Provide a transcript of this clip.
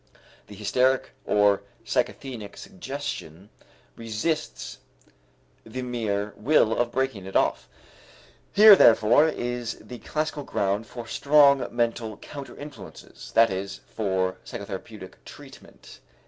The hysteric or psychasthenic autosuggestion resists the mere will of breaking it off. Here, therefore, is the classical ground for strong mental counterinfluences, that is, for psychotherapeutic treatment.